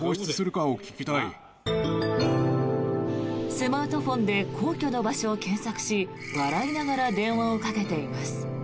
スマートフォンで皇居の場所を検索し笑いながら電話をかけています。